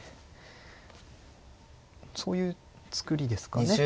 そういう作りですかね。